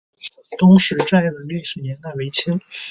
东石寨的历史年代为清。